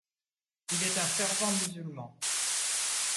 Il est un fervent musulman.